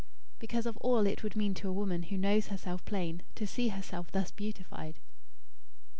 "Because of all it would mean to a woman who knows herself plain, to see herself thus beautified."